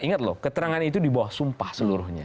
ingat loh keterangan itu di bawah sumpah seluruhnya